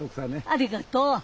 ありがとう。